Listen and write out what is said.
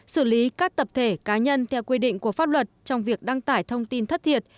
xử lý các tập thể cá nhân theo quy định của pháp luật trong việc đăng tải thông tin thất thiệt